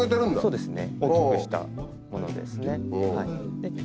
そうですね。